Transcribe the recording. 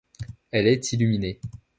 Elle est illuminée.